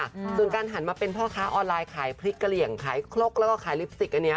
ส่วนการหันมาเป็นพ่อค้าออนไลน์ขายพริกกะเหลี่ยงขายคลกแล้วก็ขายลิปสติกอันเนี้ย